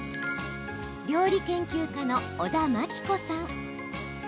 料理研究家の小田真規子さん。